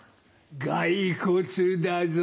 骸骨だぞ。